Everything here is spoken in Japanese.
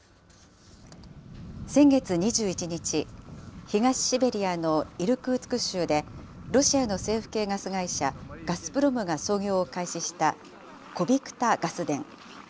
先月２１日、東シベリアのイルクーツク州で、ロシアの政府系ガス会社、ガスプロムが操業を開始したコビクタ・ガス田。